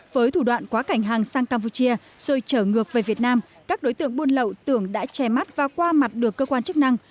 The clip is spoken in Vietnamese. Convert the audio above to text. với thủ đoạn quá cảnh hàng sang campuchia rồi trở ngược về việt nam các đối tượng buôn lậu tưởng đã che mắt và qua mặt được cơ quan chức năng